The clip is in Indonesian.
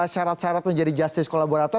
syarat syarat menjadi justice kolaborator